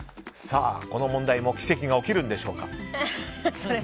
この問題も奇跡が起きるんでしょうか。